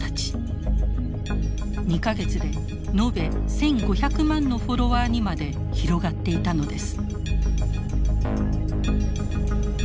２か月で延べ１，５００万のフォロワーにまで広がっていたのです。